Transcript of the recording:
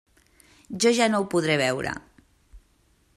Jo ja no ho podré veure!